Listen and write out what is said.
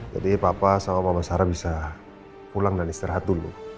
jadi papa sama mama sarah bisa pulang dan istirahat dulu